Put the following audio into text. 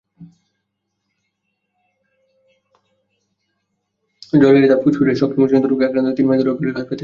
জয়ললিতা ফুসফুসের সংক্রমণজনিত রোগে আক্রান্ত হয়ে তিন মাস ধরে অ্যাপোলো হাসপাতালে চিকিৎসাধীন ছিলেন।